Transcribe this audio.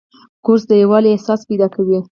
کورس د یووالي احساس پیدا کوي.